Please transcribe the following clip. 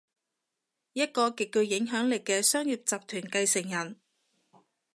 一個極具影響力嘅商業集團繼承人